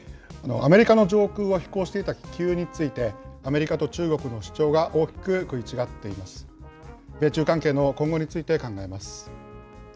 アメリカの上空を飛行していた気球について、アメリカと中国の主張が大きく食い違っています。